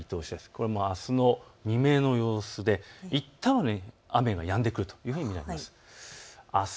これ、あすの未明の様子でいったんは雨がやんでくると思います。